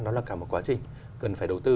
nó là cả một quá trình cần phải đầu tư